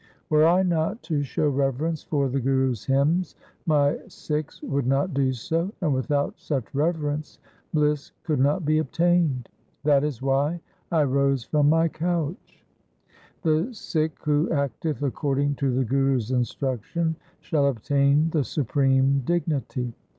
Were I not to show reverence for the Guru's hymns, my Sikhs would not do so, and without such reverence bliss could not be obtained. That is why I rose from my couch. ' The Sikh who acteth according to the Guru's instruction, shall obtain the supreme dignity.